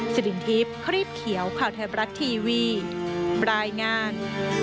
สริงทรีปครีบเขียวข่าวเทพลักษณ์ทีวีบรายงาน